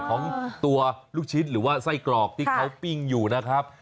ของตัวลูกชิ้นหรือว่าไส้กรอกที่เขาปิ้งอยู่นะครับ